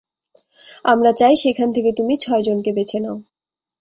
আমরা চাই সেখান থেকে তুমি ছয়জনকে বেছে নাও।